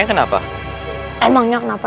iya emangnya kenapa